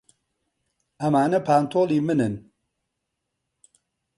ئەمانە پانتۆڵی منن.